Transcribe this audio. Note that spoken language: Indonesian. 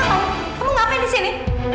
enggak kamu ngapain disini